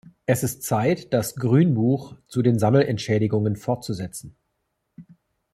Es ist Zeit, das Grünbuch zu den Sammelentschädigungen fortzusetzen.